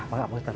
baik pak ustadz